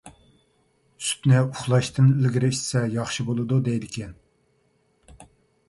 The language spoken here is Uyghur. سۈتنى ئۇخلاشتىن ئىلگىرى ئىچسە ياخشى بولىدۇ دەيدىكەن.